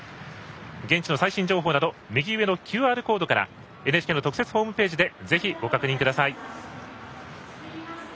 現地の最新情報など右上のＱＲコードからＮＨＫの特設ホームページからぜひご覧ください。